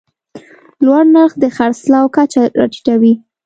لوړ نرخ د خرڅلاو کچه راټیټوي.